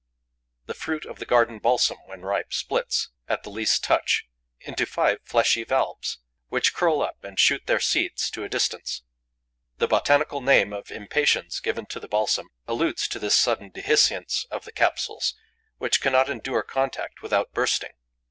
The fruit of the garden balsam, when ripe, splits, at the least touch, into five fleshy valves, which curl up and shoot their seeds to a distance. The botanical name of Impatiens given to the balsam alludes to this sudden dehiscence of the capsules, which cannot endure contact without bursting.